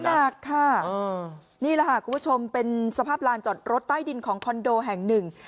หนักค่ะนี่แหละค่ะคุณผู้ชมเป็นสภาพลานจอดรถใต้ดินของคอนโดแห่งหนึ่ง